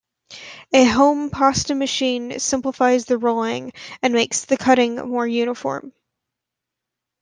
A home pasta machine simplifies the rolling, and makes the cutting more uniform.